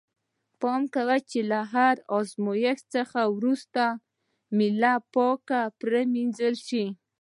پام وکړئ چې له هر آزمایښت څخه وروسته میله پاکه پرېمینځل شي.